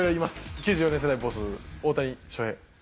９４年会のボス、大谷翔平。